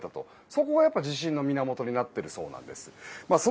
そこが自信の源になっているそうなんです。